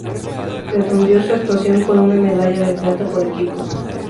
Redondeo su actuación con una medalla de plata por equipos.